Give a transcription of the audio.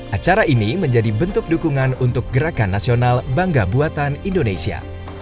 acara ini menjadi bentuk dukungan untuk gerakan nasional bangga buatan indonesia